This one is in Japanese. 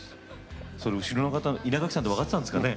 後ろの方稲垣さんと分かってたんですかね。